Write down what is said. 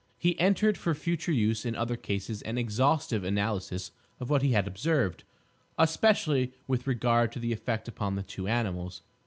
He entered for future use in other cases an exhaustive analysis of what he had observed, especially with regard to the effect upon the two animals.